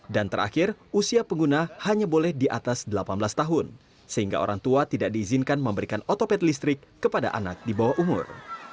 dan terakhir usia pengguna hanya boleh di atas delapan belas tahun sehingga orang tua tidak diizinkan memberikan otopet listrik kepada anak di bawah umur